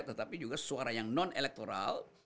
tetapi juga suara yang non elektoral